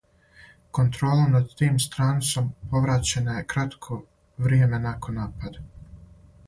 Контрола над тим страницом повраћена је кратко вријеме након напада.